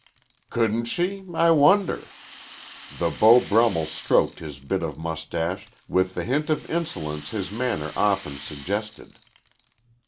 "Couldn't she? I wonder." The Beau Brummel stroked his bit of mustache, with the hint of insolence his manner often suggested.